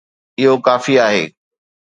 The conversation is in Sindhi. اهو ڪافي آهي.